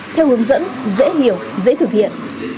theo hướng dẫn dễ hiểu dễ thực hiện